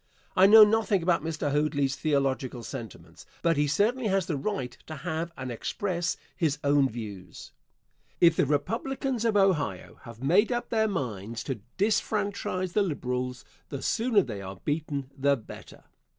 I know nothing about Mr. Hoadly's theological sentiments, but he certainly has the right to have and express his own views. If the Republicans of Ohio have made up their minds to disfranchise the Liberals, the sooner they are beaten the better.